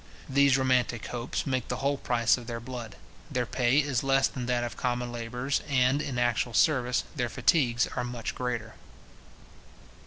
These romantic hopes make the whole price of their blood. Their pay is less than that of common labourers, and, in actual service, their fatigues are much greater.